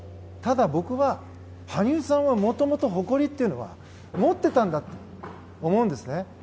ただ僕は羽生さんはもともと誇りというのは持ってたんだって思うんですね。